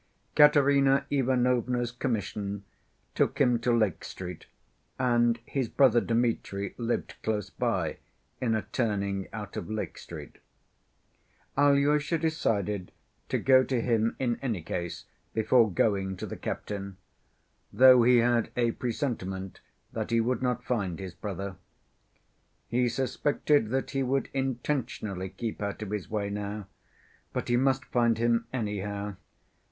Katerina Ivanovna's commission took him to Lake Street, and his brother Dmitri lived close by, in a turning out of Lake Street. Alyosha decided to go to him in any case before going to the captain, though he had a presentiment that he would not find his brother. He suspected that he would intentionally keep out of his way now, but he must find him anyhow.